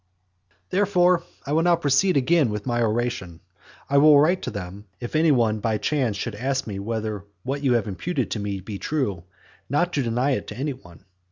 Therefore, I will now proceed again with my oration. I will write to them, if any one by chance should ask whether what you have imputed to me be true, not to deny it to any one.